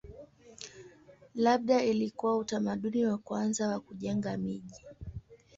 Labda ilikuwa utamaduni wa kwanza wa kujenga miji.